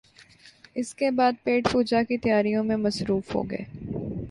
اس کے بعد پیٹ پوجا کی تیاریوں میں مصروف ہو گئے